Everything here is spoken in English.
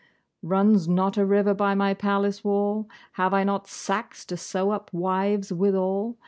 Runs not a river by my palace wall? Have I not sacks to sew up wives withal?